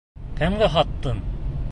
Кемгә һаттың?..